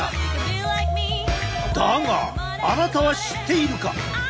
だがあなたは知っているか？